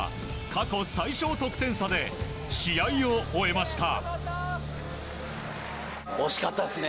過去最小得点差で試合を終えました。